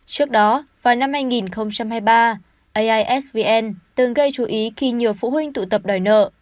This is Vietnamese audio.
trước đó vào năm hai nghìn hai mươi ba aisvn từng gây chú ý khi nhiều phụ huynh tụ tập đòi nợ